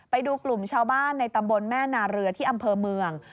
ไปดูกลุ่มชาวบ้านในตำบลแม่นาเรือที่อำเภอเมือง